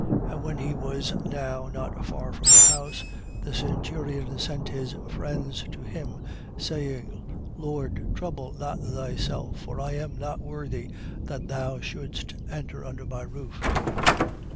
And when he was now not far from the house, the centurion sent his friends to him, saying: Lord, trouble not thyself; for I am not worthy that thou shouldst enter under my roof.